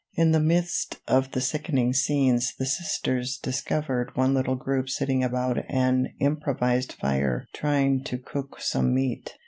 In the midst of the sickening scenes the Sisters discovered one little group sitting about an improvised fire trying to cook some meat.